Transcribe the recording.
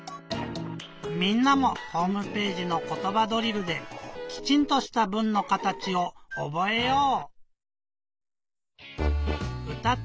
みんなもホームページの「ことばドリル」できちんとした文のかたちをおぼえよう！